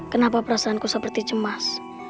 kenapa perasaanku seperti cemas